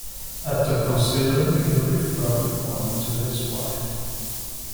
After considering, he referred the point to his wife.